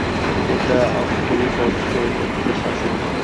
এটা আক্ষরিক অর্থেই একটা শ্মশান।